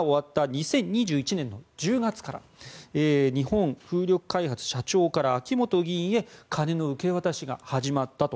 ２０２１年１０月から日本風力開発社長から秋本議員へ金の受け渡しが始まったと。